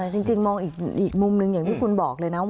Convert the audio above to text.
จริงมองอีกมุมหนึ่งอย่างที่คุณบอกเลยนะว่า